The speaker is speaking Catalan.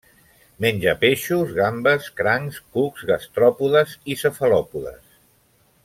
Menja peixos, gambes, crancs, cucs, gastròpodes i cefalòpodes.